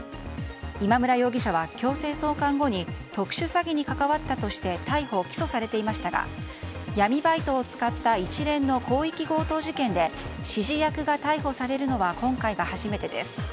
今村容疑者は強制送還後に特殊詐欺に関わったとして逮捕・起訴されていましたが闇バイトを使った一連の広域強盗事件で指示役が逮捕されるのは今回が初めてです。